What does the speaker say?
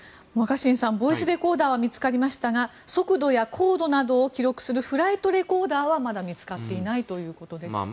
若新さんボイスレコーダーは見つかりましたが速度や高度などを記録するフライトレコーダーはまだ見つかっていないということです。